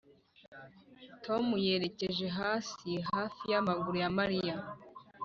tom yerekeje hasi hafi yamaguru ya mariya